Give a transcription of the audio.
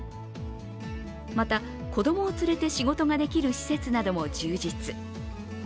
また、子供を連れて仕事ができる施設なども充実。